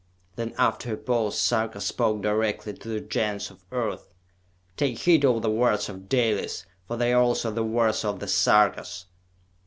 Then, after a pause, Sarka spoke directly to the Gens of Earth. "Take heed of the words of Dalis, for they are also the words of the Sarkas!"